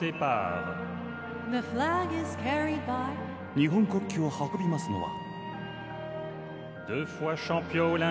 日本国旗を運びますのは。